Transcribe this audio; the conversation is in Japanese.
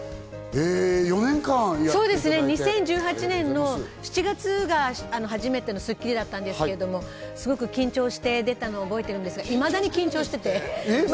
２０１８年の７月が初めての『スッキリ』だったんですけれども、すごく緊張して出たのを覚えてるんですが、いまだに緊張してて。